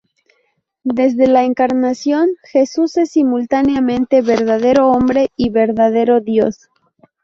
Desde la encarnación Jesús es simultáneamente verdadero hombre y verdadero Dios.